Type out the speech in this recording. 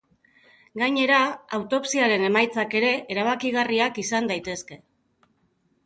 Gainera, autopsiaren emaitzak ere erabakigarriak izan daitezke.